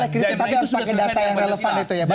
saya kritik tapi harus pakai data yang relevan itu ya pak